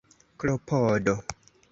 klopodo